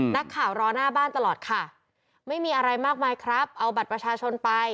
นักข่าวรอหน้าบ้านตลอดค่ะไม่มีอะไรมากมายครับเอาบัตรประชาชนไป